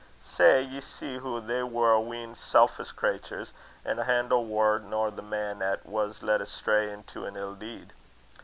Sae ye see hoo they war a wheen selfish crayturs, an' a hantle waur nor the man 'at was led astray into an ill deed.